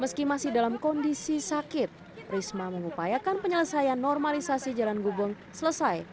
meski masih dalam kondisi sakit risma mengupayakan penyelesaian normalisasi jalan gubeng selesai